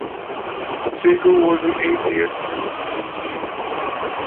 Siegel was an atheist.